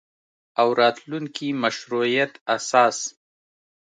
او راتلونکي مشروعیت اساس